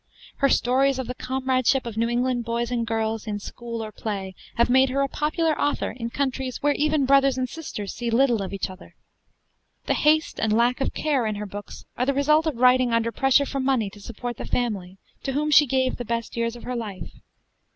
Her stories of the comradeship of New England boys and girls in school or play have made her a popular author in countries where even brothers and sisters see little of each other. The haste and lack of care in her books are the result of writing under pressure for money to support the family, to whom she gave the best years of her life.